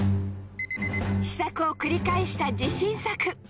試作を繰り返した自信作